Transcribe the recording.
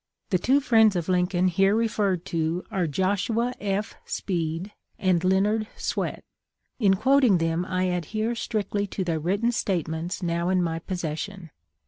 The two friends of Lincoln here referred to are Joshua F. Speed and Leonard Swett. In quoting them I adhere strictly to their written statements now in my possession.